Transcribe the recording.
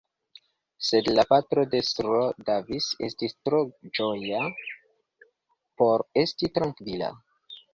Sed la patro de S-ro Davis estis tro ĝoja por esti trankvila.